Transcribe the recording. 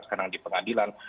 sekarang di pengadilan